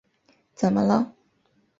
怎么了？